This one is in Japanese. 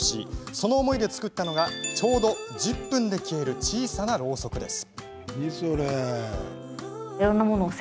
その思いで作ったのがちょうど１０分で消える小さな、ろうそくです。